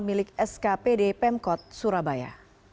dik skpd pemkot surabaya